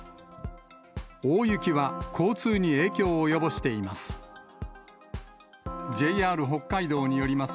大雪は、交通に影響を及ぼしています。